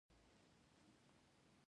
دا هټلر سړی حتی تر دې هم وحشي و.